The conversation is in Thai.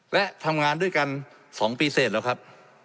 และทำงานด้วยกัน๒ปีเสร็จแล้วครับ